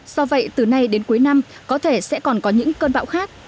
do vậy từ nay đến cuối năm có thể sẽ còn có những cơn bão khác